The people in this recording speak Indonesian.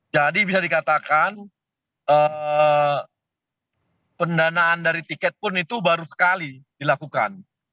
jadi bisa dikatakan pendanaan dari tiket pun itu baru sekali dilakukan